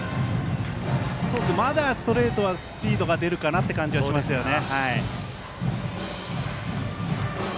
まだストレートはスピードが出るかなという感じがしますね。